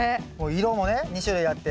色もね２種類あって。